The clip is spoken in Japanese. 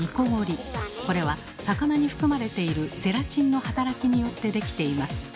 これは魚に含まれているゼラチンの働きによって出来ています。